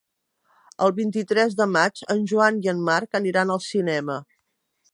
El vint-i-tres de maig en Joan i en Marc aniran al cinema.